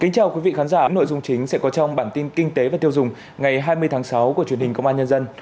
chào mừng quý vị đến với bản tin kinh tế và tiêu dùng ngày hai mươi tháng sáu của truyền hình công an nhân dân